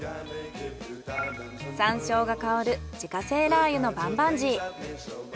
山椒が香る自家製ラー油のバンバンジー。